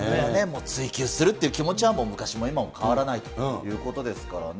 追求するって気持ちはもう、昔も今も変わらないということですからね。